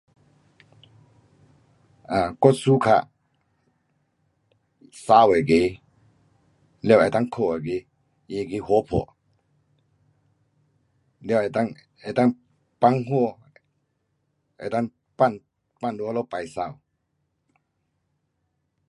um 我 suka 美那个，了能够看那个，他那个花盆，了能够，能够放花，能够放，放在哪里摆美。